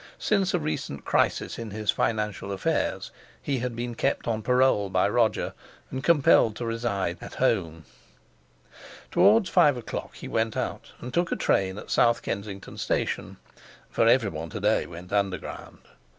Since a recent crisis in his financial affairs he had been kept on parole by Roger, and compelled to reside "at home." Towards five o'clock he went out, and took train at South Kensington Station (for everyone to day went Underground).